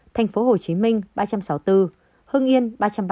thành phố hồ chí minh ba trăm sáu mươi bốn hương yên ba trăm ba mươi năm